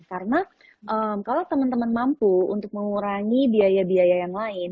karena kalau teman teman mampu untuk mengurangi biaya biaya yang lain